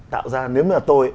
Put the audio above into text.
tạo ra nếu mà tôi